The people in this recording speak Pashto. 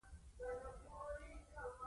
دا کمپایلر کوډ ژباړي.